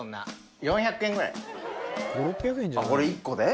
これ１個で？